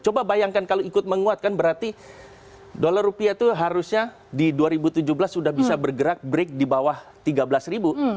coba bayangkan kalau ikut menguatkan berarti dolar rupiah itu harusnya di dua ribu tujuh belas sudah bisa bergerak break di bawah tiga belas ribu